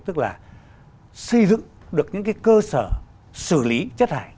tức là xây dựng được những cái cơ sở xử lý chất thải